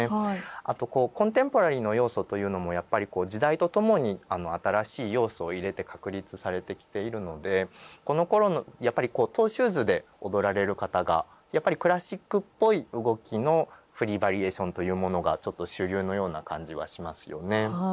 あとこうコンテンポラリーの要素というのもやっぱりこう時代とともに新しい要素を入れて確立されてきているのでこのころのやっぱりトーシューズで踊られる方がやっぱりクラシックっぽい動きのフリーバリエーションというものがちょっと主流のような感じはしますよね。